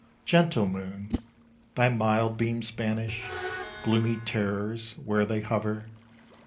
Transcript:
Gentle moon, thy mild beams banish Gloomy terrors where they hover.